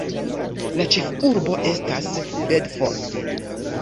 La ĉefurbo estas Bedford.